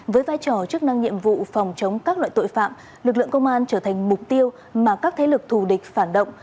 với vai trò chức năng nhiệm vụ phòng chống các loại tội phạm lực lượng công an trở thành mục tiêu mà các thế lực thù địch phản động